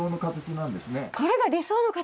これが理想の形？